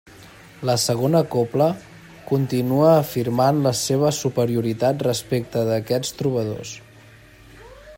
La segona cobla continua afirmant la seva superioritat respecte d'aquests trobadors.